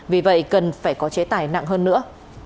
vì vậy cần phải có chế tài nặng hơn nữa